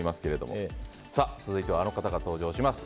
続いては、あの方が登場します。